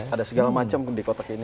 ada segala macam di kotak ini